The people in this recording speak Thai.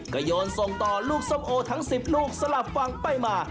ก็โยนส่งต่อลูกส้มโอทั้ง๑๐ลูกสลับฟังไปมา